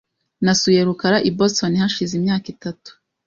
Nasuye rukara i Boston hashize imyaka itatu .